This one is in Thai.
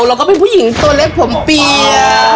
แล้วก็เป็นผู้หญิงตัวเล็กผมเปียก